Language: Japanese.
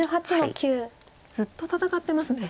ずっと戦ってますね。